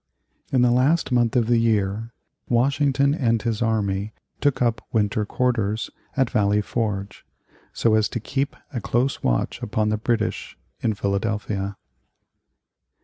In the last month of the year, Washington and his army took up winter quarters at Valley Forge so as to keep a close watch upon the British in Philadelphia.